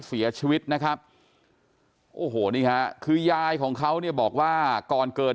เสียชีวิตนะครับโอ้โหนี่ฮะคือยายของเขาเนี่ยบอกว่าก่อนเกิด